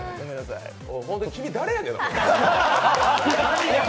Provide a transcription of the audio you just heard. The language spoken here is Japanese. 本当に君、誰やねん！